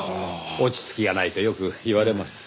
落ち着きがないとよく言われます。